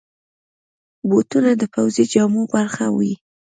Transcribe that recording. بوټونه د پوځي جامو برخه وي.